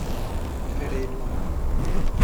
فریدون